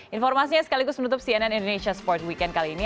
informasinya sekaligus menutup cnn indonesia sport weekend kali ini